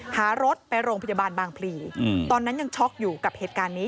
หารถไปโรงพยาบาลบางพลีตอนนั้นยังช็อกอยู่กับเหตุการณ์นี้